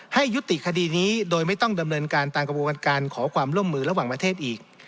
ให้ยุติคดีนี้โดยไม่ต้องดำเนินการตามกระบวนการขอความร่วมมือระหว่างประเทศอีก